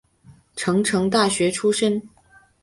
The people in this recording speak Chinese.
成城大学出身。